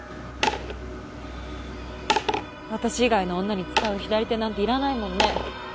私以外の女に使う左手なんて要らないもんね